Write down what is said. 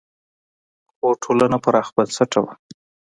خو ټولنه پراخ بنسټه وه.